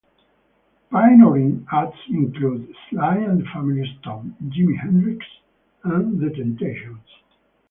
Pioneering acts included Sly and the Family Stone, Jimi Hendrix, and the Temptations.